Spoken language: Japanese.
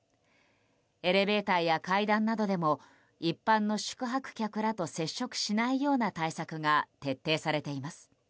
エレベーターや階段などでも一般の宿泊客らと接触しないような対策が徹底されています。